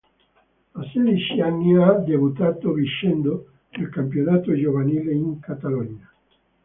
A sedici anni ha debuttato, vincendo, nel campionato giovanile in Catalogna.